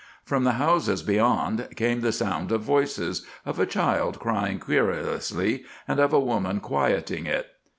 From the houses beyond came the sound of voices, of a child crying querulously, and of a woman quieting it.